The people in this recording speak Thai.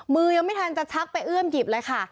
มือยังไม่ทันจะชักไปเอื้อมหยิบเลยค่ะ